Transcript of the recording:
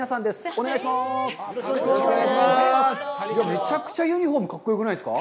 めちゃくちゃユニホーム、格好よくないですか？